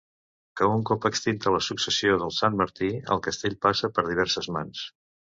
Que un cop extinta la successió dels Santmartí el castell passà per diverses mans.